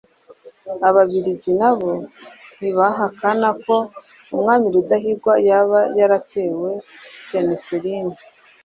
Ababiligi nabo ntibahakana ko Umwami Rudahigwa yaba yaratewe Peneseline,